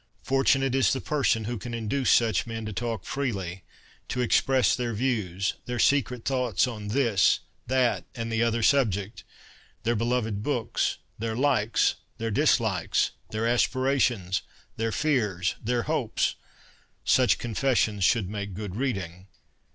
Fortunate is the person who can induce such men to talk freely, to express their views, their secret thoughts, on this, that, and the other subject — their beloved books, their likes, their dislikes, their aspirations, their fears, their hopes. Such confessions should make good reading.